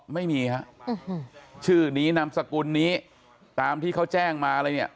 ไม่มีฮะชื่อนี้นามสกุลนี้ตามที่เขาแจ้งมาอะไรเนี่ย